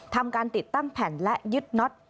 ทำการติดตั้งแผ่นและยึดน็อต